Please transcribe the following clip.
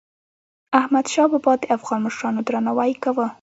احمدشاه بابا د افغان مشرانو درناوی کاوه.